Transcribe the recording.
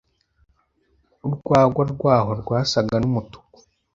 urwagwa rwaho rwasaga n'umutuku